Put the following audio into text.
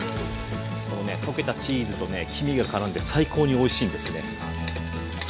このね溶けたチーズと黄身がからんで最高においしいんですね。